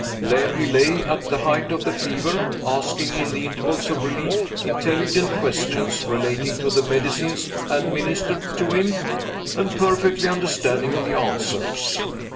There he lay, at the height of the fever, asking, in the intervals of relief, intelligent questions relating to the medicines administered to him; and perfectly understanding the answers.